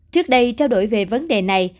trước đây trao đổi về vấn đề này